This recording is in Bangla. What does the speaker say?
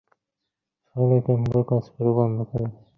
আর এইজন্যই পাশ্চাত্যে কোন কোন বৌদ্ধমত খুব জনপ্রিয় হইতেছে।